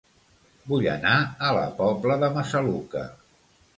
Vull anar a La Pobla de Massaluca